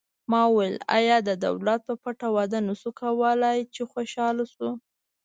ما وویل: آیا د دولت په پټه واده نه شو کولای، چې خوشحاله شو؟